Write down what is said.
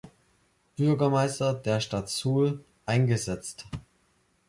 Bürgermeister der Stadt Suhl eingesetzt.